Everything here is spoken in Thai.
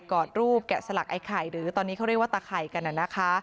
อดรูปแกะสลักไอ้ไข่หรือตอนนี้เขาเรียกว่าตะไข่กันน่ะนะคะ